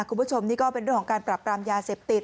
คุณผู้ชมนี่ก็เป็นเรื่องของการปรับปรามยาเสพติด